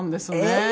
ええ！